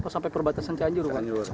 sampai perbatasan cianjur